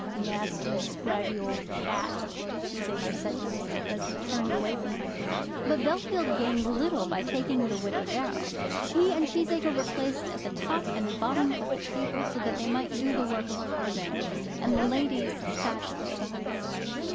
"Nasty, scraggy old cat," Cheesacre said to himself, as he turned away from her. But Bellfield gained little by taking the widow down. He and Cheesacre were placed at the top and bottom of the table, so that they might do the work of carving; and the ladies sat at the sides.